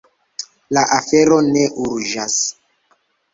La afero ne urĝas.